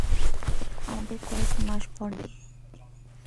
আমাকে কয়েক মাস পর নিয়ে যাবে।